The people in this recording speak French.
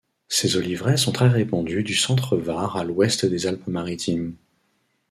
Ses oliveraies sont très répandues du centre Var à l'ouest des Alpes-Maritimes.